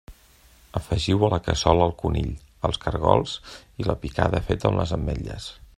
Afegiu a la cassola el conill, els caragols i la picada feta amb les ametlles.